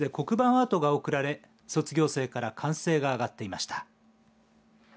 アートが贈られ卒業生から歓声が上がっていました。